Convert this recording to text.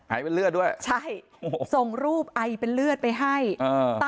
ไอเป็นเลือดด้วยใช่โอ้โหส่งรูปไอเป็นเลือดไปให้อ่า